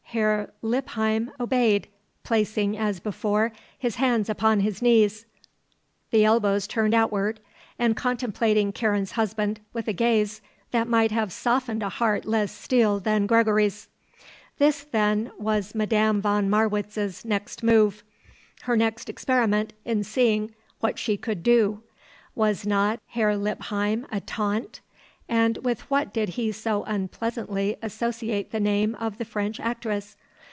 Herr Lippheim obeyed, placing, as before, his hands on his knees, the elbows turned outward, and contemplating Karen's husband with a gaze that might have softened a heart less steeled than Gregory's. This, then, was Madame von Marwitz's next move; her next experiment in seeing what she could "do." Was not Herr Lippheim a taunt? And with what did he so unpleasantly associate the name of the French actress?